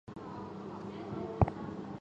不确定的目标在何方